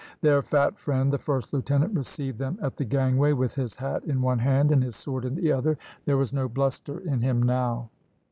Their fat friend, the first lieutenant, received them at the gangway, with his hat in one hand and his sword in the other. There was no bluster in him now.